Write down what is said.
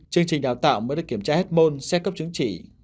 chương trình đào tạo mới được kiểm tra hết môn xét cấp chứng chỉ